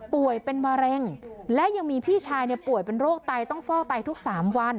ป่วยเป็นมะเร็งและยังมีพี่ชายป่วยเป็นโรคไตต้องเฝ้าไตทุก๓วัน